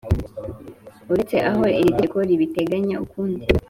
uretse aho iri tegeko ribiteganya ukundi